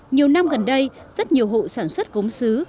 nhiều năm gần đây rất nhiều hộ sản xuất gốm xứ